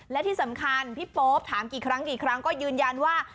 และที่สำคัญพี่โป๊ปถามกี่ครั้งกี่ครั้งก็ยืนยันว่า